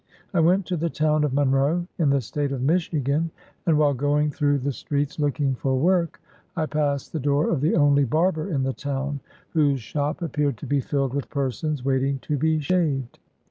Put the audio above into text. I went to the town of Monroe, in the State of Michigan, and while going through the streets, looking for work, I passed the door of the only barber in the town, whose shop ap peared to be filled with persons waiting to be shaved.